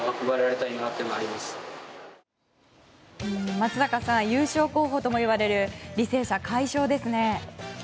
松坂さん優勝候補ともいわれる履正社、快勝ですね。